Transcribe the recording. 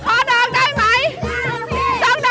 พอดอกได้ไหมได้ครับพี่